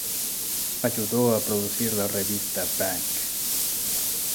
Ayudó a producir la revista "Bang!